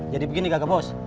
jadi begini kakak bos